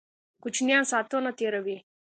کوچینان ساتونه تیروي